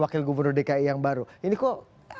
wakil gubernur dki yang baru ini kok